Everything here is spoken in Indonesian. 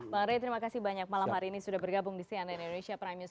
bang ray terima kasih banyak malam hari ini sudah bergabung di cnn indonesia prime news